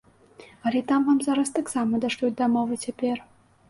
Але там вам зараз таксама дашлюць дамову цяпер.